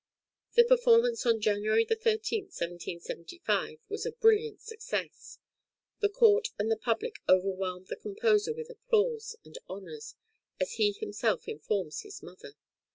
The performance on January 13,1775, was a brilliant success; the court and the public overwhelmed the composer with applause and honours, as he himself informs his mother.